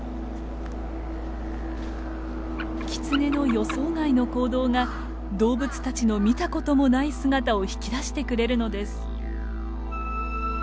キツネの予想外の行動が動物たちの見たこともない姿を引き出してくれるのです。